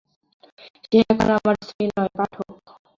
সে এখন আমার স্ত্রী নয় পাঠক।